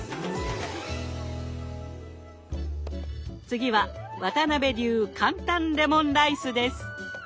次は渡辺流簡単レモンライスです。